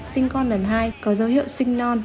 sinh con lần hai có dấu hiệu sinh non